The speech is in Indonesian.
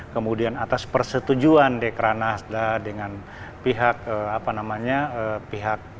kemudian atas persetujuan dekra nasdaq dengan pihak apa namanya